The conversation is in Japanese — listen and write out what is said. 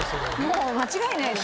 もう間違いないです。